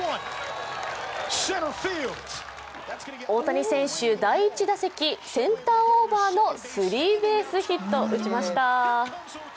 大谷選手、第１打席センターオーバーのスリーベースヒットを打ちました。